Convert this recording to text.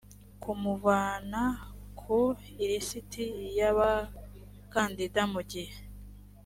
kumuvana ku ilisiti y abakandida mu gihe